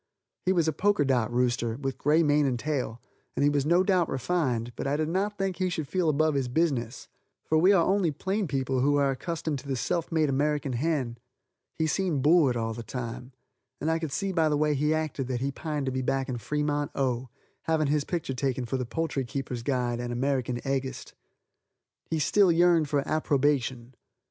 He was a poker dot rooster, with gray mane and tail, and he was no doubt refined, but I did not think he should feel above his business, for we are only plain people who are accustomed to the self made American hen. He seemed bored all the time, and I could see by the way he acted that he pined to be back in Fremont, O., having his picture taken for the Poultry Keepers' Guide and American Eggist. He still yearned for approbation.